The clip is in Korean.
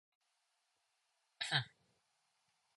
돈이란 바닷물과도 같다.